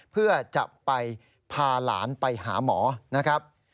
เพื่อจะไปพาหลานไปหาหมอนะครับ